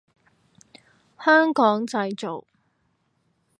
香港製造